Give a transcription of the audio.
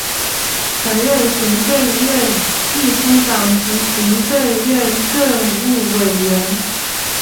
曾任行政院秘书长及行政院政务委员。